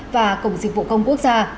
và cổng dịch vụ công quốc gia